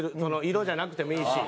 色じゃなくてもいいし。